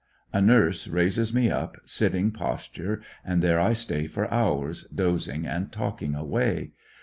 A nurse raises me up, sitting pos ture, and there I stay for hours, dozing and talking away.